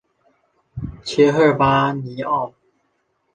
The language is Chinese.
切赫巴尼奥。